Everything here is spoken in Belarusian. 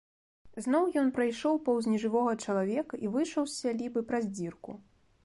Зноў ён прайшоў паўз нежывога чалавека і выйшаў з сялібы праз дзірку.